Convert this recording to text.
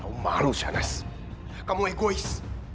aku malu janas